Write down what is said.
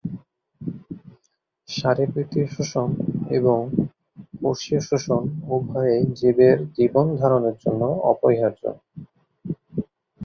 শারীরবৃত্তীয় শ্বসন এবং কোষীয় শ্বসন উভয়েই জীবের জীবন ধারণের জন্য অপরিহার্য।